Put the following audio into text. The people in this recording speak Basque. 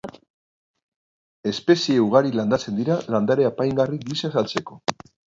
Espezie ugari landatzen dira landare apaingarri gisa saltzeko.